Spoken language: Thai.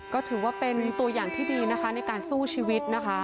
ก็ถือว่าเป็นตัวอย่างที่ดีนะคะในการสู้ชีวิตนะคะ